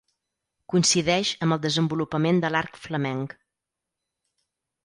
Coincideix amb el desenvolupament de l'art flamenc.